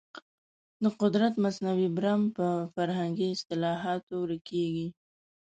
د قدرت مصنوعي برم په فرهنګي اصلاحاتو ورکېږي.